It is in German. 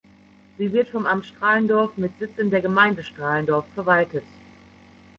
Sie wird vom Amt Stralendorf mit Sitz in der Gemeinde Stralendorf verwaltet.